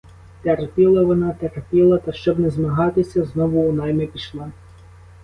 Терпіла вона, терпіла та, щоб не змагатися, знову у найми пішла.